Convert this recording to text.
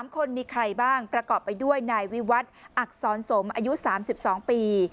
๓คนมีใครบ้างประกอบไปด้วยนายวิวัตรอักษรสมอายุ๓๒ปี